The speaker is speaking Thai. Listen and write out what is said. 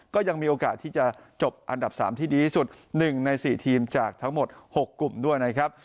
ก็ยังมีโอกาสที่จะจบอันดับ๓ที่ดีที่สุด๑ใน๔ทีมจากทั้งหมด๖กลุ่มด้วยนะครับ